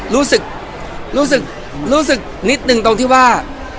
รู้สึกนิดนึงตรงที่ว่า